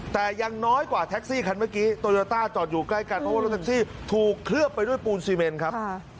แต่ยังน้อยกว่าแท็กซี่คันเมื่อกี้โตโยต้าจอดอยู่ใกล้กันเพราะว่ารถแท็กซี่ถูกเคลือบไปด้วยปูนซีเมนครับ